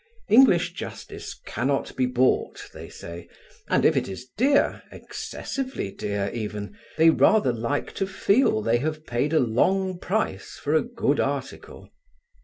English justice cannot be bought, they say, and if it is dear, excessively dear even, they rather like to feel they have paid a long price for a good article.